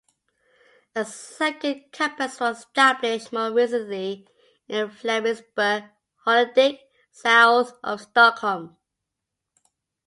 A second campus was established more recently in Flemingsberg, Huddinge, south of Stockholm.